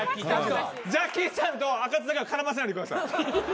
ジャッキーちゃんとあかつだけは絡ませないでください。